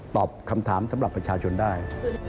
ตอบคำถามสำหรับประชาชนได้